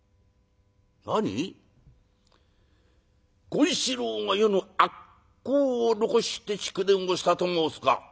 権四郎が余の悪口を残して逐電をしたと申すか？」。